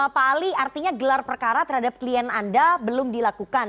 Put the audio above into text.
pak ali artinya gelar perkara terhadap klien anda belum dilakukan